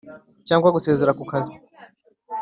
cyangwa gusezera ku kazi,